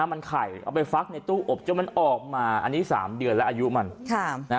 มันไข่เอาไปฟักในตู้อบจนมันออกมาอันนี้๓เดือนแล้วอายุมัน